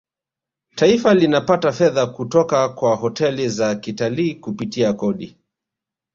taifa linapata fedha kutoka kwa hoteli za kitalii kupitia kodi